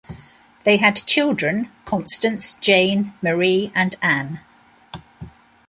They had children Constance, Jane, Marie and Ann.